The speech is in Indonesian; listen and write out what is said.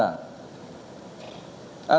dan pimpinan lembaga lembaga negara